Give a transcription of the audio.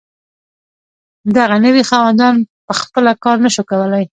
دغه نوي خاوندان په خپله کار نشو کولی.